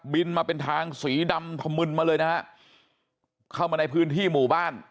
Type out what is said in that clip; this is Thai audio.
มาเป็นทางสีดำถมึนมาเลยนะฮะเข้ามาในพื้นที่หมู่บ้าน